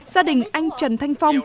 gia đình anh trần thanh phong